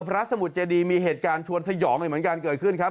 สมุทรเจดีมีเหตุการณ์ชวนสยองอีกเหมือนกันเกิดขึ้นครับ